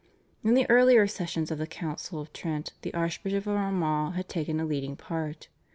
In the earlier sessions of the Council of Trent the Archbishop of Armagh had taken a leading part.